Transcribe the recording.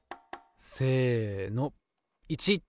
せの①。